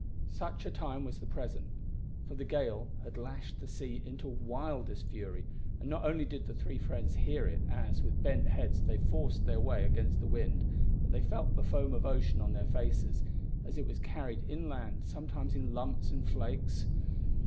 Such a time was the present, for the gale had lashed the sea into wildest fury, and not only did the three friends hear it, as, with bent heads, they forced their way against the wind, but they felt the foam of ocean on their faces as it was carried inland sometimes in lumps and flakes.